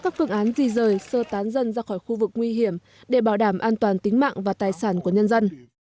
các phương án di rời sơ tán dân ra khỏi khu vực nguy hiểm để bảo đảm an toàn tính mạng và tài sản của nhân dân